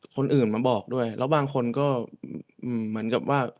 คนอื่นมาบอกด้วยแล้วบางคนก็เหมือนกับว่า